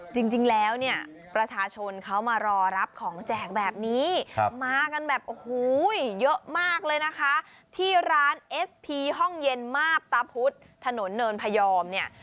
จริงแล้วเนี่ยประชาชนเขามารอรับของแจกแบบนี้มากันแบบโอ้โหเยอะมากเลยนะคะที่ร้านเอสพีห้องเย็นมาบตาพุธถนนเนินพยอมเนี่ย